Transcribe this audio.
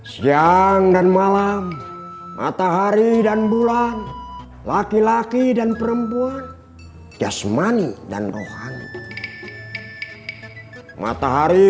siang dan malam matahari dan bulan laki laki dan perempuan jasumani dan rohani matahari